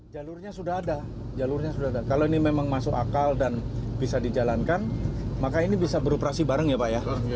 jalurnya sudah ada jalurnya sudah ada kalau ini memang masuk akal dan bisa dijalankan maka ini bisa beroperasi bareng ya pak ya